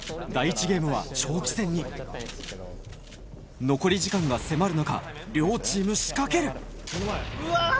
第１ゲームは長期戦に残り時間が迫る中両チーム仕掛けるうわ！